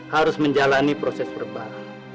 harus menjalani proses berbah